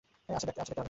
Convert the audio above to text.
আচ্ছা, দেখতে থাক।